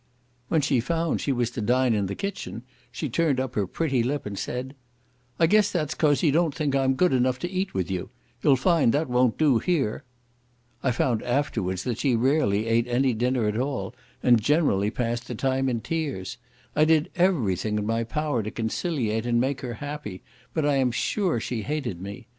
When she found she was to dine in the kitchen, she turned up her pretty lip, and said, "I guess that's 'cause you don't think I'm good enough to eat with you. You'll find that won't do here." I found afterwards that she rarely ate any dinner at all, and generally passed the time in tears. I did every thing in my power to conciliate and make her happy, but I am sure she hated me.